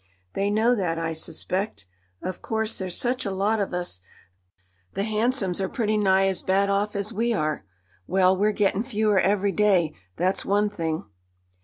They know that, I suspect. Of course, there's such a lot of us; the hansoms are pretty nigh as bad off as we are. Well, we're gettin' fewer every day, that's one thing."